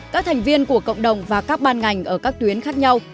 các thành viên của cộng đồng và các ban ngành ở các tuyến khác nhau